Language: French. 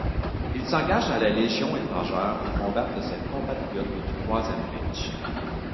Il s'engage dans la Légion étrangère pour combattre ses compatriotes du Troisième Reich.